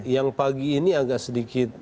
yang pagi ini agak sedikit